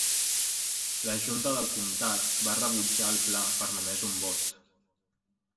La junta del comtat va rebutjar el pla per només un vot.